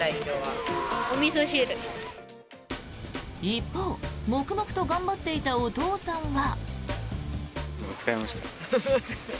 一方、黙々と頑張っていたお父さんは。